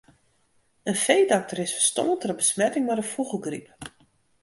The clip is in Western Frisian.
In feedokter is ferstoarn troch besmetting mei de fûgelgryp.